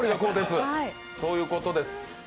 そういうことです。